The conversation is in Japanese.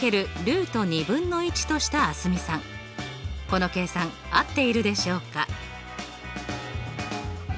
この計算合っているでしょうか？